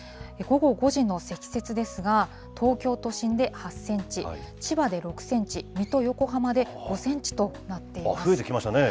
午後５時の積雪ですが、東京都心で８センチ、千葉で６センチ、水戸、横浜で５センチとなっています。